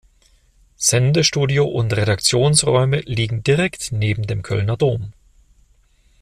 Sendestudio und Redaktionsräume liegen direkt neben dem Kölner Dom.